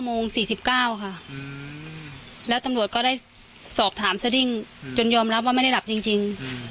โมง๔๙ค่ะแล้วตำรวจก็ได้สอบถามสดิ้งจนยอมรับว่าไม่ได้หลับจริง